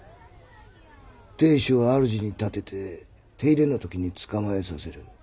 亭主を主に立てて手入れの時捕まえさせる。